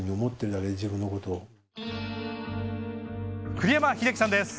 栗山英樹さんです。